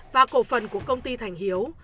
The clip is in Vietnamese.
và cổ phần của công ty thành hiếu